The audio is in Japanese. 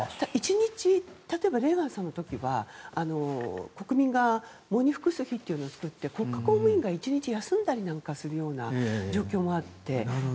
１日、例えばレーガンさんの時は国民が喪に服す日というのを作って国家公務員が１日休んだりする状況もあって。